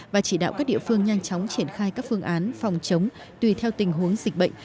và chỉ đạo các địa phương nhanh chóng triển khai các phương án phòng chống tùy theo tình huống dịch bệnh